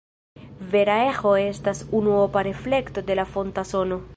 Vera eĥo estas unuopa reflekto de la fonta sono.